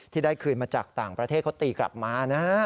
ที่ได้คืนมาจากต่างประเทศเขาตีกลับมานะ